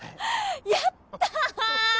やったー！